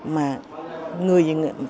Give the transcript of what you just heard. mà là những cái lớp truyền thống như chúng ta